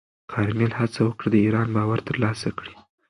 کارمل هڅه وکړه د ایران باور ترلاسه کړي.